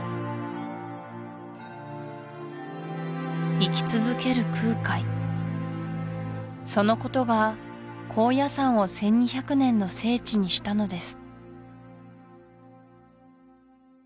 生き続ける空海そのことが高野山を１２００年の聖地にしたのです